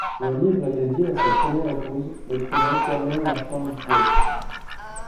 Le livre est dédié à sa première épouse, l'écrivain Carmen Martín Gaite.